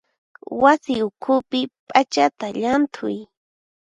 Wasi ukhupi p'achata llanthuy.